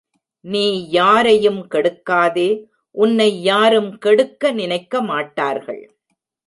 நீ யாரையும் கெடுக்காதே உன்னை யாரும் கெடுக்க நினைக்கமாட்டார்கள்.